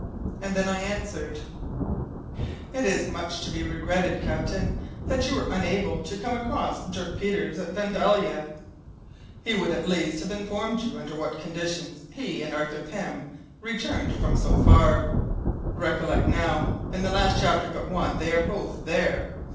And then I answered, "It is much to be regretted, captain, that you were unable to come across Dirk Peters at Vandalia! He would at least have informed you under what conditions he and Arthur Pym returned from so far. Recollect, now, in the last chapter but one they are both there.